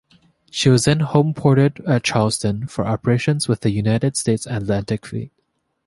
She was then home-ported at Charleston for operations with the United States Atlantic Fleet.